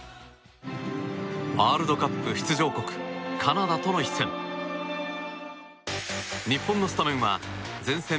ワールドカップ出場国カナダとの一戦。